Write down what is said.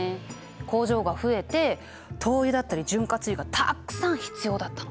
工場が増えて灯油だったり潤滑油がたくさん必要だったの。